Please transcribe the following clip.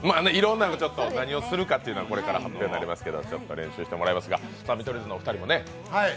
何をするかは、これから発表になりますが、ちょっと練習してもらいますが、見取り図のお二人もね。